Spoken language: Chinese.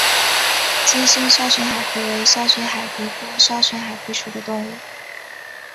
金星鞘群海葵为鞘群海葵科鞘群海葵属的动物。